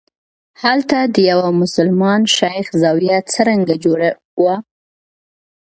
هلته د یوه مسلمان شیخ زاویه څرنګه جوړه وه.